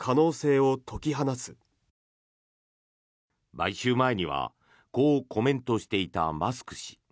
買収前にはこうコメントしていたマスク氏。